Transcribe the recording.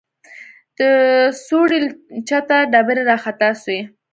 د سوړې له چته ډبرې راخطا سوې.